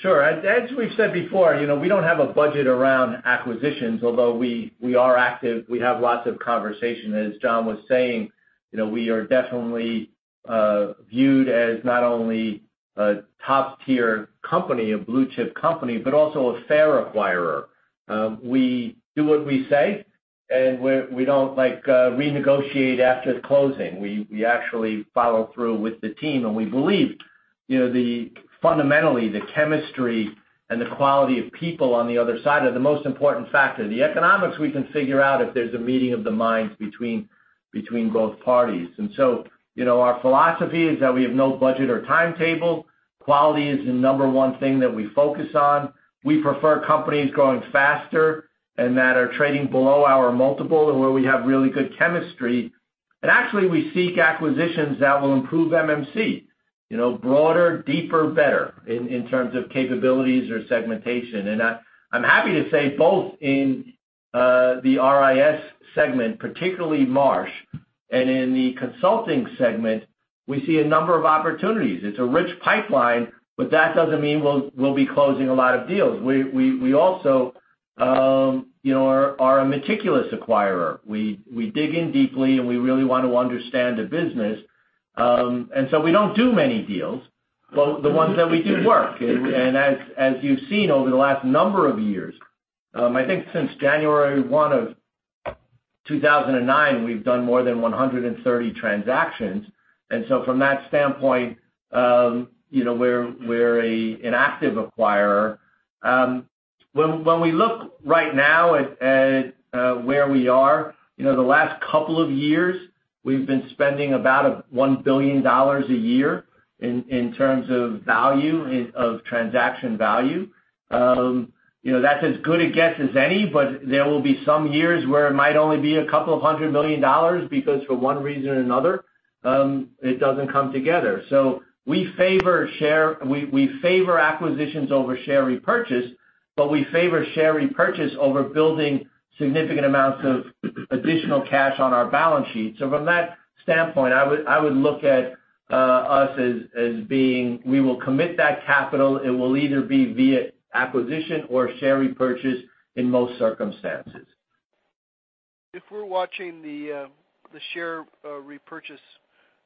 Sure. As we've said before, we don't have a budget around acquisitions, although we are active. We have lots of conversation. As John was saying, we are definitely viewed as not only a top-tier company, a blue-chip company, but also a fair acquirer. We do what we say, and we don't renegotiate after the closing. We actually follow through with the team, and we believe fundamentally the chemistry and the quality of people on the other side are the most important factor. The economics we can figure out if there's a meeting of the minds between both parties. Our philosophy is that we have no budget or timetable. Quality is the number 1 thing that we focus on. We prefer companies growing faster and that are trading below our multiple and where we have really good chemistry. Actually, we seek acquisitions that will improve MMC. Broader, deeper, better in terms of capabilities or segmentation. I'm happy to say both in the RIS segment, particularly Marsh, and in the consulting segment, we see a number of opportunities. It's a rich pipeline, but that doesn't mean we'll be closing a lot of deals. We also are a meticulous acquirer. We dig in deeply, and we really want to understand the business. So we don't do many deals, but the ones that we do work. As you've seen over the last number of years, I think since January 1, 2009, we've done more than 130 transactions. So from that standpoint, we're an active acquirer. When we look right now at where we are, the last couple of years, we've been spending about $1 billion a year in terms of transaction value. That's as good a guess as any, but there will be some years where it might only be $200 million because for one reason or another, it doesn't come together. We favor acquisitions over share repurchase, but we favor share repurchase over building significant amounts of additional cash on our balance sheet. From that standpoint, I would look at us as being, we will commit that capital. It will either be via acquisition or share repurchase in most circumstances. If we're watching the share repurchase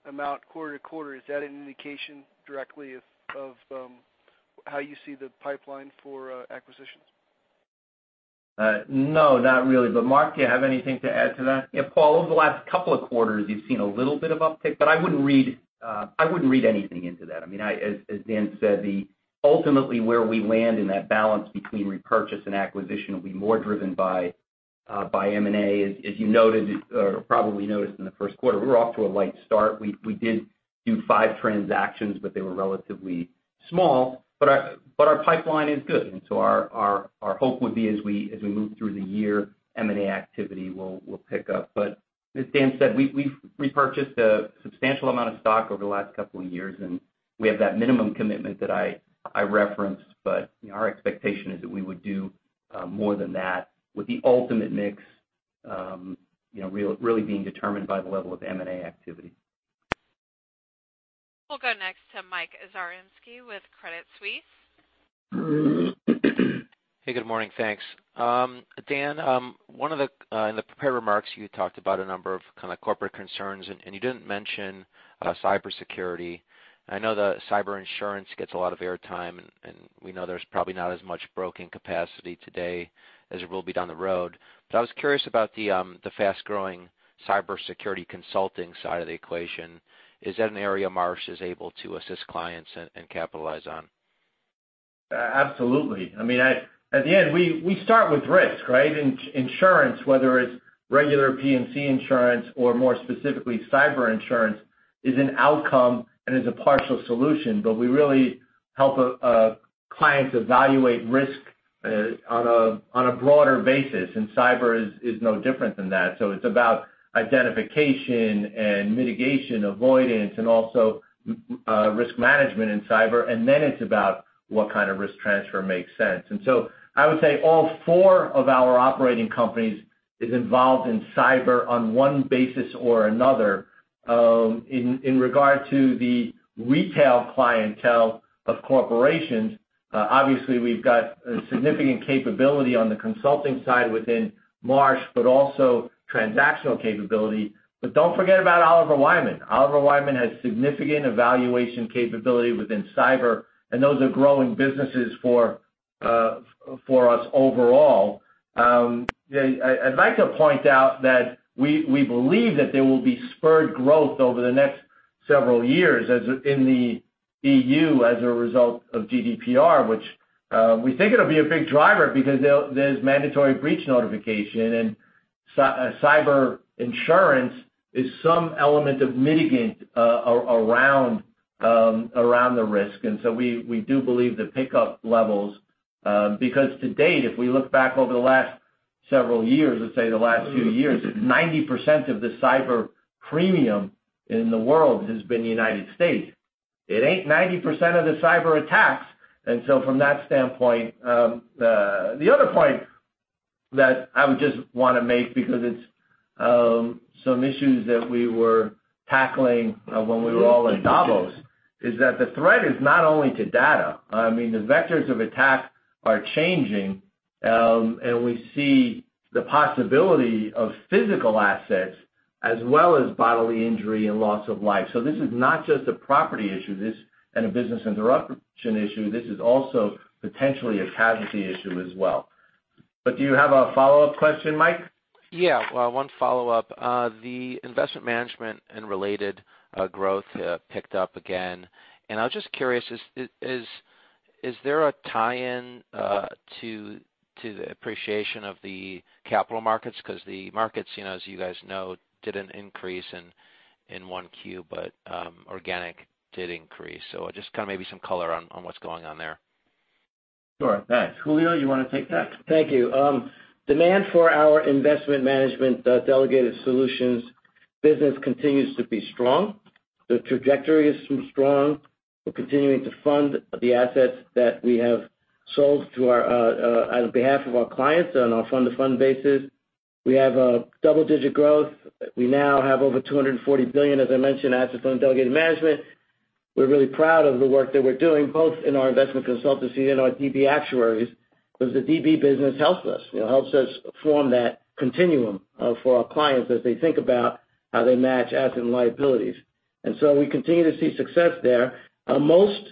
amount quarter-to-quarter, is that an indication directly of how you see the pipeline for acquisitions? No, not really. Mark, do you have anything to add to that? Yeah, Paul, over the last couple of quarters, you've seen a little bit of uptick, but I wouldn't read anything into that. As Dan said, ultimately where we land in that balance between repurchase and acquisition will be more driven by M&A. As you probably noticed in the first quarter, we were off to a light start. We did do five transactions, but they were relatively small. Our hope would be as we move through the year, M&A activity will pick up. As Dan said, we've repurchased a substantial amount of stock over the last couple of years, and we have that minimum commitment that I referenced. Our expectation is that we would do more than that with the ultimate mix really being determined by the level of M&A activity. We'll go next to Mike Zaremski with Credit Suisse. Hey, good morning. Thanks. Dan, in the prepared remarks, you talked about a number of corporate concerns, you didn't mention cybersecurity. I know the cyber insurance gets a lot of air time, we know there's probably not as much broking capacity today as there will be down the road. I was curious about the fast-growing cybersecurity consulting side of the equation. Is that an area Marsh is able to assist clients and capitalize on? Absolutely. I mean, at the end, we start with risk, right? Insurance, whether it's regular P&C insurance or more specifically, cyber insurance, is an outcome and is a partial solution. We really help clients evaluate risk on a broader basis, and cyber is no different than that. It's about identification and mitigation, avoidance, and also risk management in cyber. Then it's about what kind of risk transfer makes sense. I would say all four of our operating companies is involved in cyber on one basis or another. In regard to the retail clientele of corporations, obviously we've got a significant capability on the consulting side within Marsh, but also transactional capability. Don't forget about Oliver Wyman. Oliver Wyman has significant evaluation capability within cyber, and those are growing businesses for us overall. I'd like to point out that we believe that there will be spurred growth over the next several years in the EU as a result of GDPR, which we think it'll be a big driver because there's mandatory breach notification, and cyber insurance is some element of mitigant around the risk. We do believe the pickup levels, because to date, if we look back over the last several years, let's say the last few years, 90% of the cyber premium in the world has been United States. It ain't 90% of the cyber attacks. From that standpoint The other point that I would just want to make because it's some issues that we were tackling when we were all at Davos, is that the threat is not only to data. I mean, the vectors of attack are changing. We see the possibility of physical assets as well as bodily injury and loss of life. This is not just a property issue and a business interruption issue. This is also potentially a casualty issue as well. Do you have a follow-up question, Mike? Yeah. One follow-up. The investment management and related growth picked up again. I was just curious, is there a tie in to the appreciation of the capital markets? The markets, as you guys know, didn't increase in one Q, but organic did increase. Just kind of maybe some color on what's going on there. Sure. Thanks. Julio, you want to take that? Thank you. Demand for our investment management delegated solutions business continues to be strong. The trajectory is strong. We're continuing to fund the assets that we have sold on behalf of our clients on a fund-to-fund basis. We have a double-digit growth. We now have over $240 billion, as I mentioned, assets under delegated management. We're really proud of the work that we're doing, both in our investment consultancy and our DB actuaries, because the DB business helps us. It helps us form that continuum for our clients as they think about how they match assets and liabilities. We continue to see success there. Most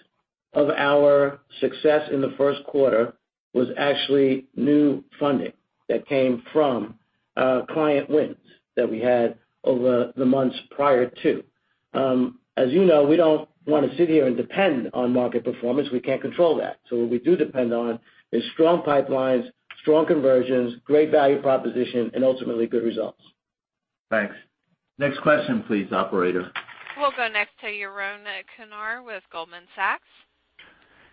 of our success in the first quarter was actually new funding that came from client wins that we had over the months prior to. As you know, we don't want to sit here and depend on market performance. We can't control that. What we do depend on is strong pipelines, strong conversions, great value proposition, and ultimately good results. Thanks. Next question please, operator. We'll go next to Yaron Kinar with Goldman Sachs.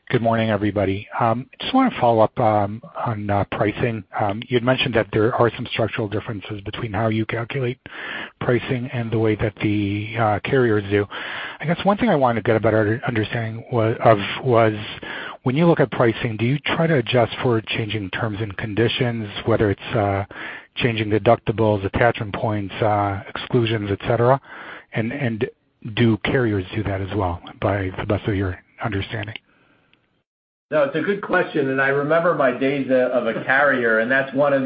Good morning, everybody. Just want to follow up on pricing. You had mentioned that there are some structural differences between how you calculate pricing and the way that the carriers do. I guess one thing I wanted to get a better understanding of was when you look at pricing, do you try to adjust for changing terms and conditions, whether it's changing deductibles, attachment points, exclusions, et cetera? Do carriers do that as well, by the best of your understanding? No, it's a good question. I remember my days of a carrier, and that's one of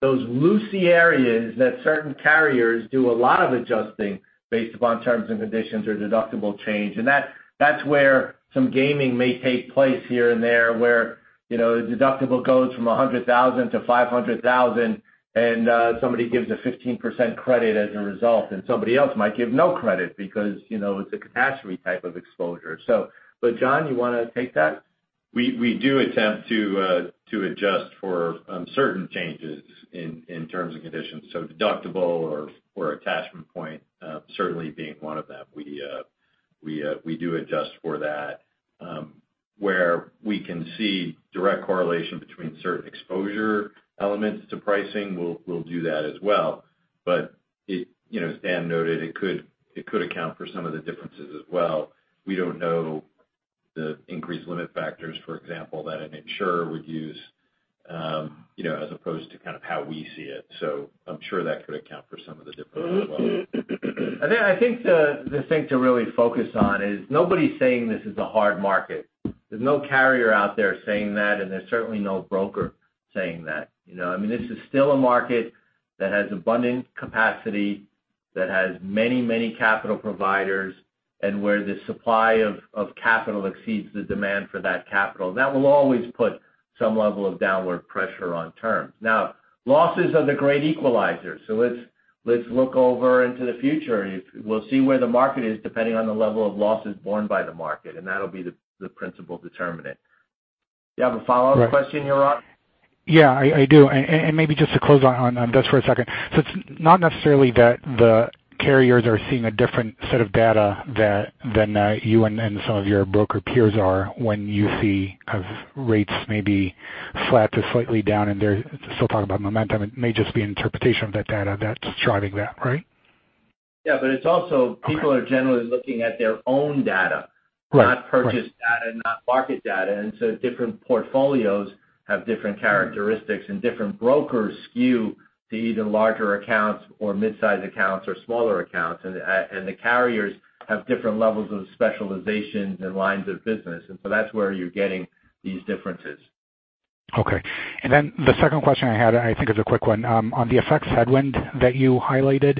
those loosey areas that certain carriers do a lot of adjusting based upon terms and conditions or deductible change. That's where some gaming may take place here and there where the deductible goes from 100,000 to 500,000 and somebody gives a 15% credit as a result, and somebody else might give no credit because it's a catastrophe type of exposure. John, you want to take that? We do attempt to adjust for certain changes in terms and conditions. Deductible or attachment point certainly being one of them. We do adjust for that. Where we can see direct correlation between certain exposure elements to pricing, we'll do that as well. As Dan noted, it could account for some of the differences as well. We don't know the increased limit factors, for example, that an insurer would use as opposed to kind of how we see it. I'm sure that could account for some of the difference as well. I think the thing to really focus on is nobody's saying this is a hard market. There's no carrier out there saying that, and there's certainly no broker saying that. This is still a market that has abundant capacity, that has many capital providers, and where the supply of capital exceeds the demand for that capital. That will always put some level of downward pressure on terms. Now, losses are the great equalizer. Let's look over into the future. We'll see where the market is depending on the level of losses borne by the market, and that'll be the principal determinant. Do you have a follow-up question, Yaron? Yeah, I do. Maybe just to close on just for a second. It's not necessarily that the carriers are seeing a different set of data than you and some of your broker peers are when you see rates maybe flat to slightly down, and they're still talking about momentum. It may just be interpretation of that data that's driving that, right? It's also people are generally looking at their own data- Right not purchased data, not market data. Different portfolios have different characteristics and different brokers skew to either larger accounts or mid-size accounts or smaller accounts. The carriers have different levels of specializations and lines of business. That's where you're getting these differences. Okay. The second question I had, I think is a quick one. On the FX headwind that you highlighted,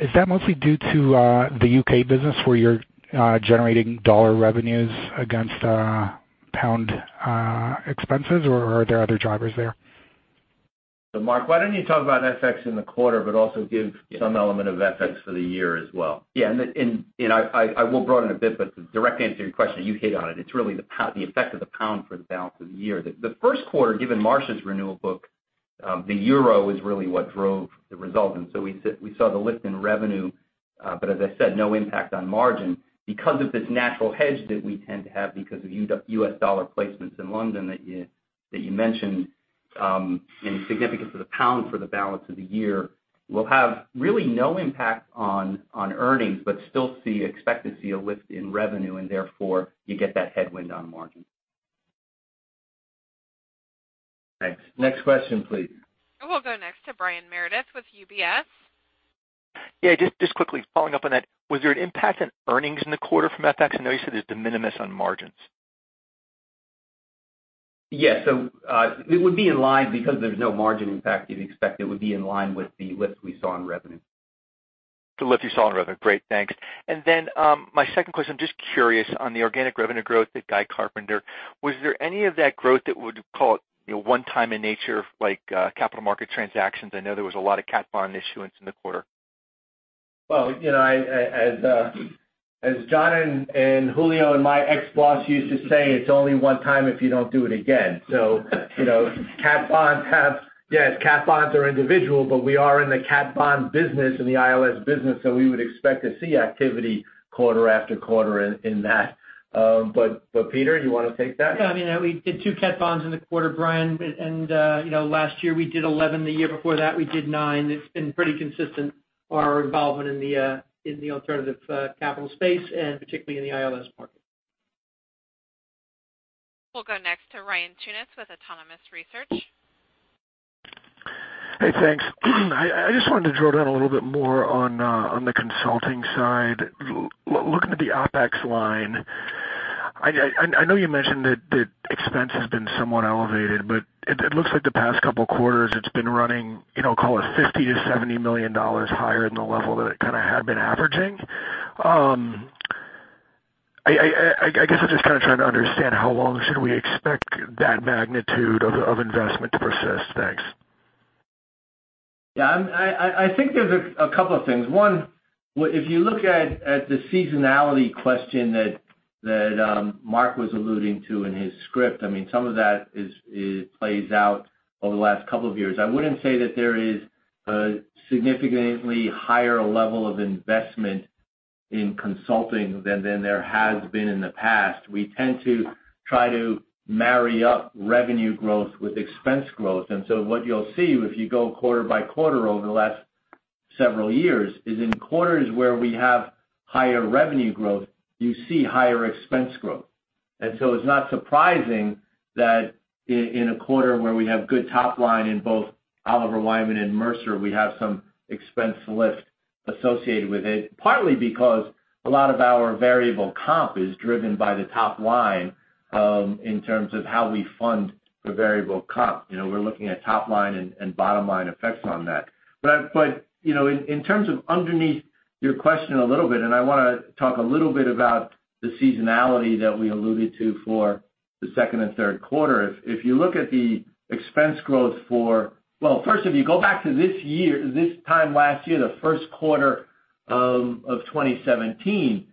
is that mostly due to the U.K. business where you're generating U.S. dollar revenues against pound expenses or are there other drivers there? Mark, why don't you talk about FX in the quarter, but also give some element of FX for the year as well? I will broaden a bit, but the direct answer to your question, you hit on it. It's really the effect of the pound for the balance of the year. The first quarter, given Marsh's renewal book, the euro is really what drove the result. We saw the lift in revenue, but as I said, no impact on margin because of this natural hedge that we tend to have because of U.S. dollar placements in London that you mentioned. Significance of the pound for the balance of the year will have really no impact on earnings, but still expect to see a lift in revenue, therefore you get that headwind on margin. Thanks. Next question, please. We'll go next to Brian Meredith with UBS. Yeah, just quickly following up on that. Was there an impact on earnings in the quarter from FX? I know you said it's de minimis on margins. Yeah. It would be in line because there's no margin impact. You'd expect it would be in line with the lift we saw in revenue. The lift you saw in revenue. Great. Thanks. My second question, just curious on the organic revenue growth at Guy Carpenter. Was there any of that growth that would call it one-time in nature, like capital market transactions? I know there was a lot of cat bond issuance in the quarter. Well, as John and Julio and my ex-boss used to say, it's only one time if you don't do it again. Cat bonds have Yes, cat bonds are individual, but we are in the cat bond business, in the ILS business, we would expect to see activity quarter after quarter in that. Peter, do you want to take that? Yeah, we did two cat bonds in the quarter, Brian. Last year we did 11. The year before that, we did nine. It's been pretty consistent, our involvement in the alternative capital space and particularly in the ILS market. We'll go next to Ryan Tunis with Autonomous Research. Hey, thanks. I just wanted to drill down a little bit more on the consulting side. Looking at the OpEx line, I know you mentioned that expense has been somewhat elevated, it looks like the past couple quarters it's been running, call it $50 million-$70 million higher than the level that it kind of had been averaging. I guess I'm just trying to understand how long should we expect that magnitude of investment to persist. Thanks. I think there's a couple of things. One, if you look at the seasonality question that Mark was alluding to in his script, some of that plays out over the last couple of years. I wouldn't say that there is a significantly higher level of investment in consulting than there has been in the past. We tend to try to marry up revenue growth with expense growth. What you'll see if you go quarter by quarter over the last several years is in quarters where we have higher revenue growth, you see higher expense growth. It's not surprising that in a quarter where we have good top line in both Oliver Wyman and Mercer, we have some expense lift associated with it, partly because a lot of our variable comp is driven by the top line, in terms of how we fund the variable comp. We're looking at top line and bottom line effects on that. In terms of underneath your question a little bit, and I want to talk a little bit about the seasonality that we alluded to for the second and third quarter. If you look at the expense growth for Well, first, if you go back to this time last year, the first quarter of 2017,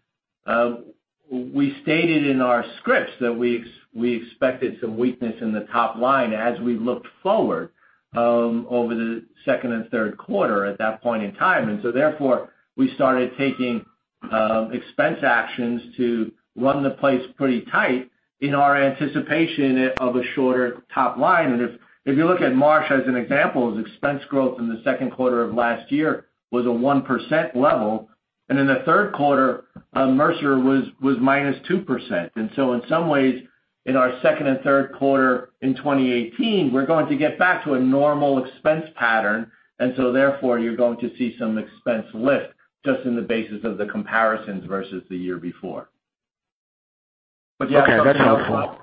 we stated in our scripts that we expected some weakness in the top line as we looked forward over the second and third quarter at that point in time. Therefore, we started taking expense actions to run the place pretty tight in our anticipation of a shorter top line. If you look at Marsh as an example, expense growth in the second quarter of last year was a 1% level, and in the third quarter, Mercer was -2%. In some ways, in our second and third quarter in 2018, we're going to get back to a normal expense pattern. Therefore, you're going to see some expense lift just in the basis of the comparisons versus the year before. That's helpful.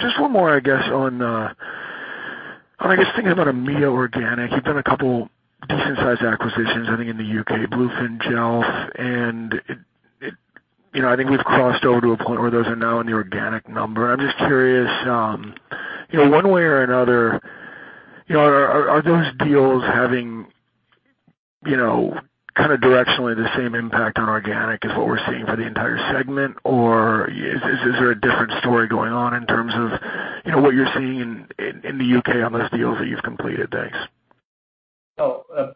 Just one more, I guess, on I guess thinking about EMEA organic. You've done a couple decent sized acquisitions, I think, in the U.K., Bluefin, Jelf. I think we've crossed over to a point where those are now in the organic number. I'm just curious, one way or another, are those deals having directionally the same impact on organic as what we're seeing for the entire segment? Or is there a different story going on in terms of what you're seeing in the U.K. on those deals that you've completed? Thanks.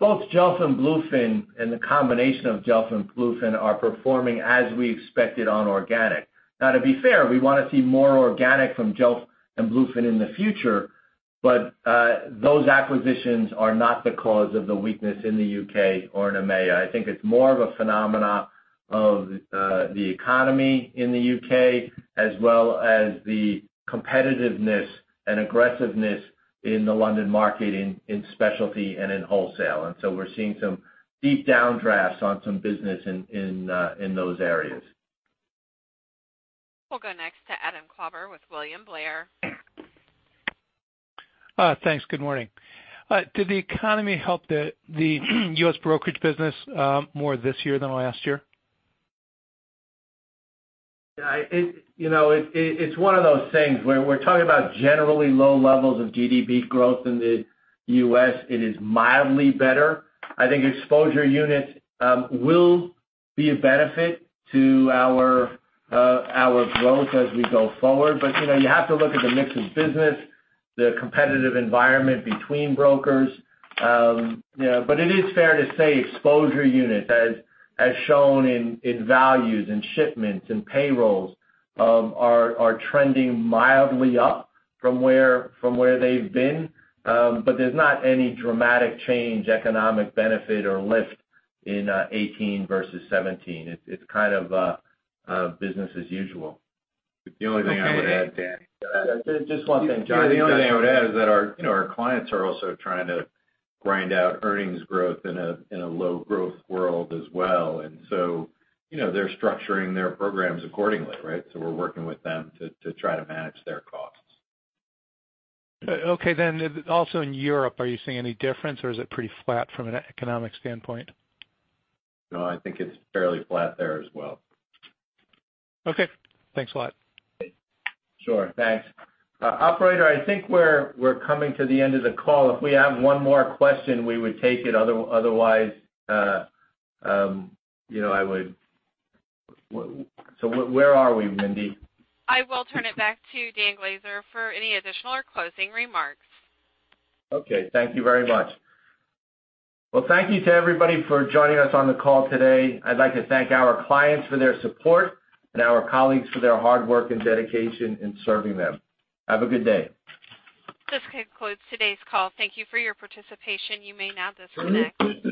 Both Jelf and Bluefin, and the combination of Jelf and Bluefin are performing as we expected on organic. To be fair, we want to see more organic from Jelf and Bluefin in the future, but those acquisitions are not the cause of the weakness in the U.K. or in EMEA. I think it's more of a phenomenon of the economy in the U.K. as well as the competitiveness and aggressiveness in the London market in specialty and in wholesale. We're seeing some deep downdrafts on some business in those areas. We'll go next to Adam Klauber with William Blair. Thanks. Good morning. Did the economy help the U.S. brokerage business more this year than last year? It's one of those things where we're talking about generally low levels of GDP growth in the U.S. It is mildly better. I think exposure units will be a benefit to our growth as we go forward. You have to look at the mix of business, the competitive environment between brokers. It is fair to say exposure units as shown in values and shipments and payrolls are trending mildly up from where they've been. There's not any dramatic change, economic benefit or lift in 2018 versus 2017. It's kind of business as usual. The only thing I would add, Dan. Just one thing, John. The only thing I would add is that our clients are also trying to grind out earnings growth in a low growth world as well. They're structuring their programs accordingly, right? We're working with them to try to manage their costs. Okay, also in Europe, are you seeing any difference or is it pretty flat from an economic standpoint? No, I think it's fairly flat there as well. Okay, thanks a lot. Sure. Thanks. Operator, I think we're coming to the end of the call. If we have one more question, we would take it, otherwise where are we, [Mindy]? I will turn it back to Dan Glaser for any additional or closing remarks. Okay. Thank you very much. Well, thank you to everybody for joining us on the call today. I'd like to thank our clients for their support and our colleagues for their hard work and dedication in serving them. Have a good day. This concludes today's call. Thank you for your participation. You may now disconnect.